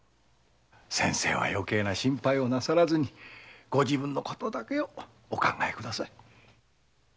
先生はよけいな心配なさらずにご自分の事だけお考えください。